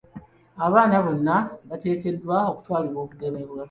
Abaana bonna bateekeddwa okutwalibwa okugemebwa.